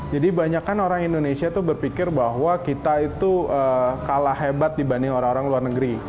jadi banyak kan orang indonesia itu berpikir bahwa kita itu kalah hebat dibanding orang orang luar negeri